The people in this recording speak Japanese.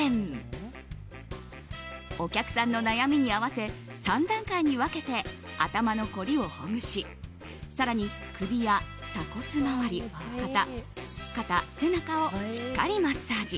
お客さんの悩みに合わせ３段階に分けて頭のこりをほぐし更に首や鎖骨周り、肩、背中をしっかりマッサージ。